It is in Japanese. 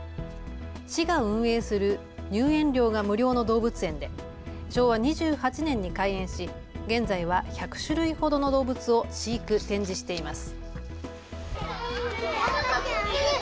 市が運営する入園料が無料の動物園で昭和２８年に開園し現在は１００種類ほどの動物を飼育・展示しています。